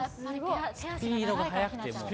スピードが速くて。